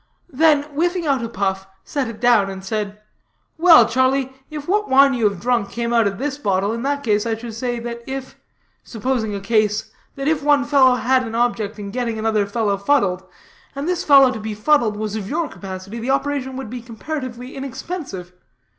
Then whiffing out a puff, set it down, and said: "Well, Charlie, if what wine you have drunk came out of this bottle, in that case I should say that if supposing a case that if one fellow had an object in getting another fellow fuddled, and this fellow to be fuddled was of your capacity, the operation would be comparatively inexpensive.